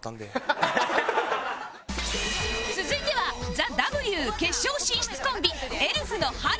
続いては ＴＨＥＷ 決勝進出コンビエルフのはる